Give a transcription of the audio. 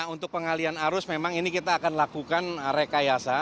untuk pengalian arus memang ini kita akan lakukan rekayasa